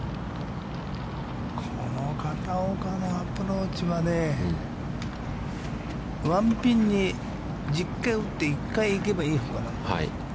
この片岡のアプローチはね、ワンピンに１０回打って、１回行けばいいほうかな。